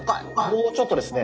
もうちょっとですね。